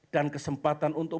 dan kesempatan untuk